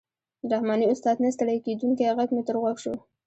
د رحماني استاد نه ستړی کېدونکی غږ مې تر غوږ شو.